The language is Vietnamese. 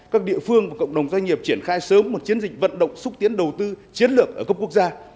các địa phương và cộng đồng doanh nghiệp triển khai sớm một chiến dịch vận động xúc tiến đầu tư chiến lược ở cấp quốc gia